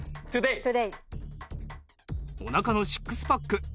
おなかのシックスパック。